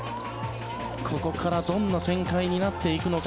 ここからどんな展開になっていくのか。